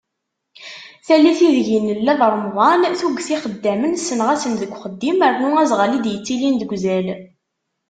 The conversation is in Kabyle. Tallit ideg i nella d Remḍan, tuget n yixeddamen senɣasen seg uxeddim, rnu azɣal i d-yettilin deg uzal.